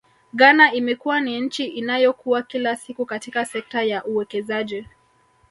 Ghana imekuwa ni nchi inayokua kila siku katika sekta ya uwekezaji